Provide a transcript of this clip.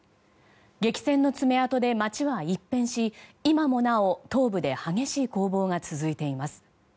激戦の爪痕で街は一変し今もなお、東部で激しい攻防が続いています。